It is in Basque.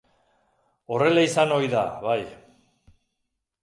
Horrela izan ohi da, bai.